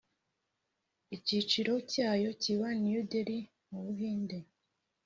Icyicaro cyayo kiba i New Delhi mu Buhinde